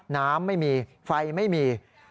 น้ำไม่มีไฟไม่มี